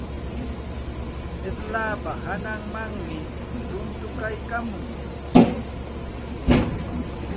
Slapa hananmanmi runtuykaamun.